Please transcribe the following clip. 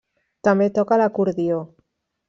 També toca l'acordió.